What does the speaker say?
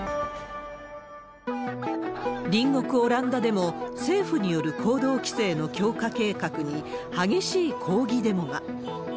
隣国オランダでも、政府による行動規制の強化計画に、激しい抗議デモが。